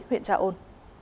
huyện trà ôn